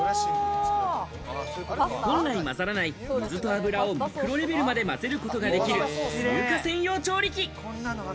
本来混ざらない水と油をミクロレベルまで混ぜることができる乳化専用調理器。